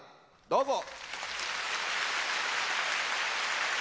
どうぞ。